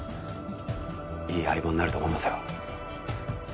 いい相棒になると思いますよ。